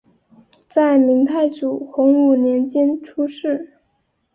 在明太祖洪武年间出仕。